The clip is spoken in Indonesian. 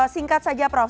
singkat saja prof